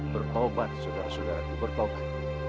bertobat saudara saudaraku bertobat